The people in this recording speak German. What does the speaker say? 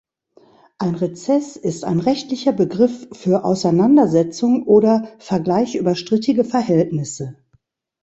Ein Rezess ist ein rechtlicher Begriff für Auseinandersetzung oder Vergleich über strittige Verhältnisse.